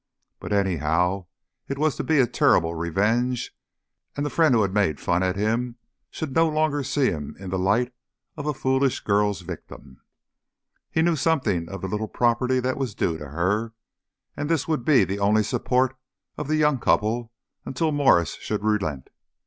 But anyhow, it was to be a terrible revenge; and the friend who had made fun at him should no longer see him in the light of a foolish girl's victim. He knew something of the little property that was due to her, and that this would be the only support of the young couple until Mwres should relent.